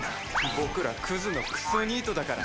僕らクズのクソニートだから。